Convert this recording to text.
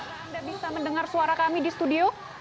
anda bisa mendengar suara kami di studio